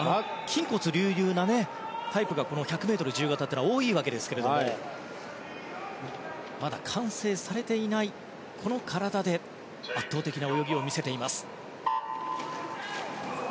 筋骨隆々なタイプがこの１００ｍ自由形には多いわけですけどもまだ完成されていないこの体で圧倒的泳ぎを見せています。